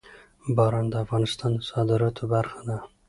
باران د افغانستان د صادراتو برخه ده.